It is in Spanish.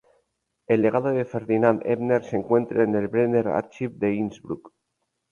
El legado de Ferdinand Ebner se encuentra en el "Brenner-Archiv" de Innsbruck.